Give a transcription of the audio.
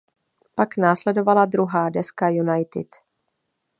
Pak následovala druhá deska United.